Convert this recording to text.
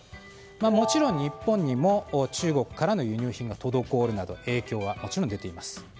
もちろん日本にも中国からの輸入品が滞るなど影響は出ています。